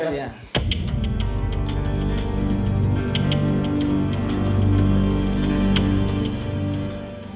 ya nggak tahu